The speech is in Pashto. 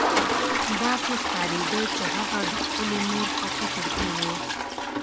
داسې ښکارېده چې هغه د خپلې مور په فکر کې و